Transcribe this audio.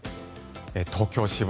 東京・渋谷